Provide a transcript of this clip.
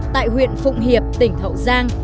tại huyện phụng hiệp tỉnh thậu giang